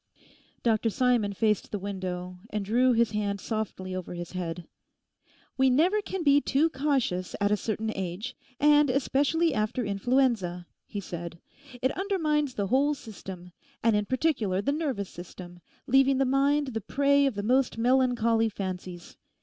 Dr Simon faced the window, and drew his hand softly over his head. 'We never can be too cautious at a certain age, and especially after influenza,' he said. 'It undermines the whole system, and in particular the nervous system; leaving the mind the prey of the most melancholy fancies.